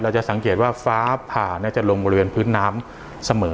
จะสังเกตว่าฟ้าผ่าจะลงบริเวณพื้นน้ำเสมอ